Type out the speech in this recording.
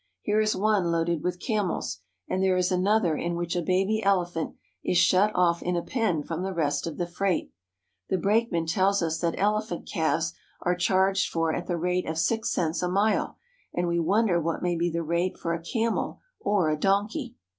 Here is one loaded with camels, and there is another in which a baby elephant is shut off in a pen from the rest of the freight. The brakeman tells us that elephant calves are charged for at the rate of six cents a mile, and we won der what may be the rate for a camel or a donkey.